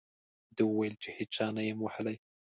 ده وویل چې هېچا نه یم ووهلی.